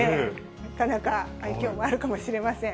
なかなか愛きょうもあるかもしれません。